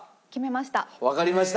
わかりました。